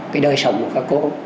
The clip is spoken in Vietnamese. cái đời sống của các cô